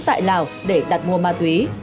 tại lào để đặt mua ma túy